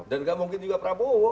dan tidak mungkin juga prabowo